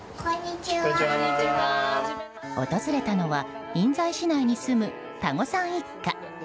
訪れたのは印材市内に住む多胡さん一家。